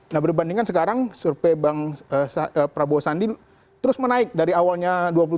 nah berbandingkan sekarang survei prabowo sandi terus menaik dari awalnya dua puluh tujuh